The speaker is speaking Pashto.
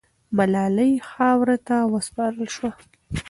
ملالۍ خاورو ته وسپارل سوه.